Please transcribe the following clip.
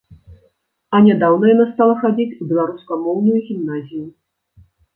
А нядаўна яна стала хадзіць у беларускамоўную гімназію.